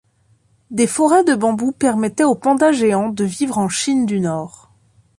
Des forêts de bambous permettaient aux pandas géants de vivre en Chine du Nord.